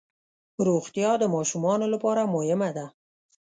روغتیا د ماشومانو لپاره مهمه ده.